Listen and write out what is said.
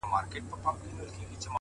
لوړ لید لوري لوی بدلون راولي؛